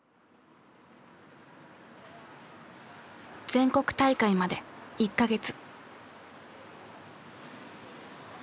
全国大会まで１か月。